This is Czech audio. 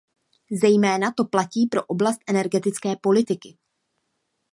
Zejména to platí pro oblast energetické politiky.